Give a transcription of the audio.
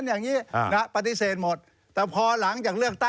นี่นี่นี่นี่นี่นี่นี่